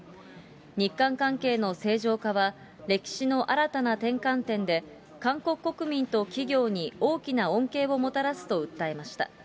日韓関係の正常化は歴史の新たな転換点で、韓国国民と企業に大きな恩恵をもたらすと訴えました。